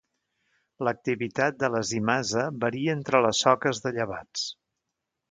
L'activitat de la zimasa varia entre les soques de llevats.